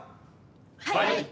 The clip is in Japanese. はい。